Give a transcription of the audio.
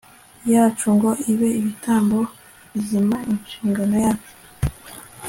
yacu ngo ibe ibitambo bizima Inshingano yacu